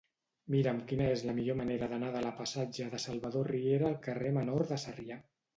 Mira'm quina és la millor manera d'anar de la passatge de Salvador Riera al carrer Menor de Sarrià.